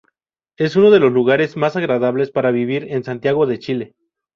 Es uno de los lugares mas agradables para vivir en Santiago de Chile